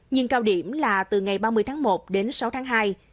nhưng cao điểm là từ ngày ba mươi tháng một đến sáu tháng hai